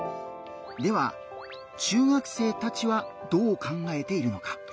では中学生たちはどう考えているのか？